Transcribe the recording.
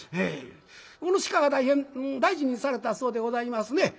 この鹿が大変大事にされたそうでございますね。